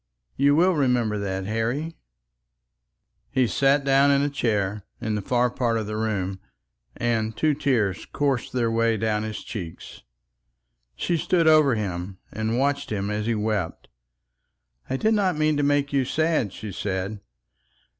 You will remember that, Harry?" He sat himself down in a chair in a far part of the room, and two tears coursed their way down his cheeks. She stood over him and watched him as he wept. "I did not mean to make you sad," she said.